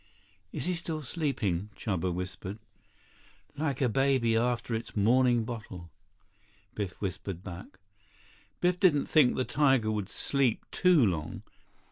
"Is he still sleeping?" Chuba whispered. "Like a baby after its morning bottle," Biff whispered back. Biff didn't think the tiger would sleep too long.